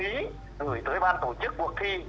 gửi tới ban tổ chức cuộc thi